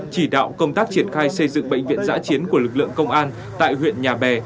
chỉ đạo công tác triển khai xây dựng bệnh viện giã chiến của lực lượng công an tại huyện nhà bè